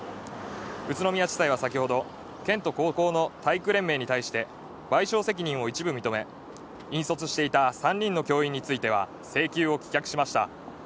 宇都宮地裁は先ほど、県と高校の体育連盟に対して賠償責任を一部認め、引率していた３人の教員については、請求を棄却しました。